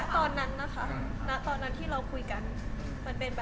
ตอนนั้นนะคะตอนนั้นที่เราคุยกันมันเป็นแบบนั้นค่ะ